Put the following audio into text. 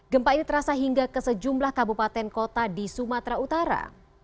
gempa ini terasa hingga ke sejumlah kabupaten kota di sumatera utara